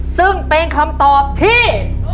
ซึ่งเป็นคำตอบที่